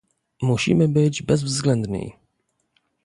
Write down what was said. Musimy być bezwzględni